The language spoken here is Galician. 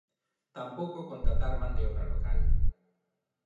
Tampouco contratar man de obra local.